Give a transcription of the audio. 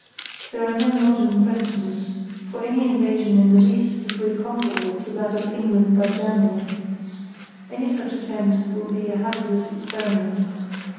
There are no modern precedents for any invasion in the least degree comparable to that of England by Germany. Any such attempt will be a hazardous experiment.